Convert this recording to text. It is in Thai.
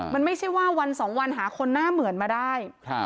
มันไม่ใช่ว่าวันสองวันหาคนหน้าเหมือนมาได้